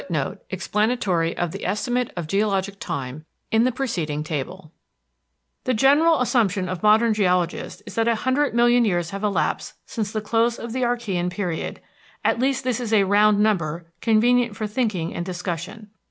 NOTE EXPLANATORY OF THE ESTIMATE OF GEOLOGIC TIME IN THE TABLE ON THE OPPOSITE PAGE The general assumption of modern geologists is that a hundred million years have elapsed since the close of the Archean period; at least this is a round number, convenient for thinking and discussion.